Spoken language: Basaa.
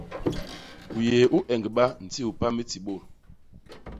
U yéé u eñgba ndi u pam i ti bôt.